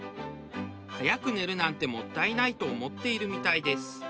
早く寝るなんてもったいないと思っているみたいです。